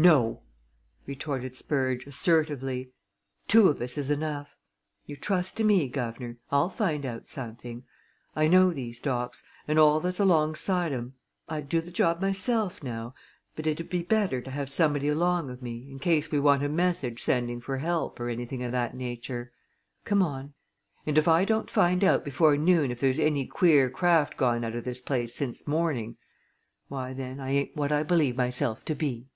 "No!" retorted Spurge, assertively. "Two on us is enough. You trust to me, guv'nor I'll find out something. I know these docks and all that's alongside 'em. I'd do the job myself, now but it'll be better to have somebody along of me, in case we want a message sending for help or anything of that nature. Come on and if I don't find out before noon if there's any queer craft gone out o' this since morning why, then, I ain't what I believe myself to be."